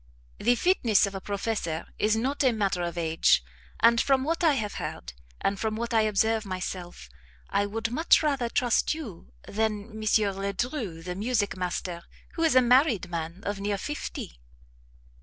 The fitness of a professor is not a matter of age; and, from what I have heard, and from what I observe myself, I would much rather trust you than M. Ledru, the music master, who is a married man of near fifty."